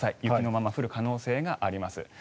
雪のまま降る可能性があります。